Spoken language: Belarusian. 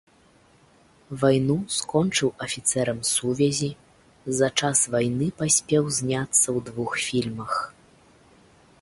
Вайну скончыў афіцэрам сувязі, за час вайны паспеў зняцца ў двух фільмах.